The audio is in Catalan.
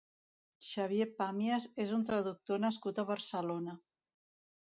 Xavier Pàmies és un traductor nascut a Barcelona.